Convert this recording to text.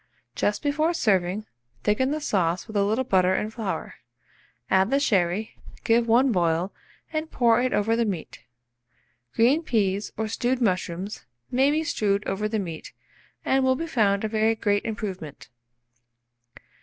Just before serving, thicken the sauce with a little butter and flour; add the sherry, give one boil, and pour it over the meat. Green peas, or stewed mushrooms, may be strewed over the meat, and will be found a very great improvement.